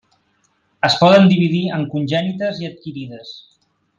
Es poden dividir en congènites i adquirides.